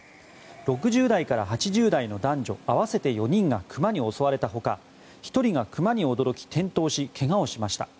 ６０代から８０代の男女合わせて４人がクマに襲われた他１人がクマに驚き転倒しけがをしました。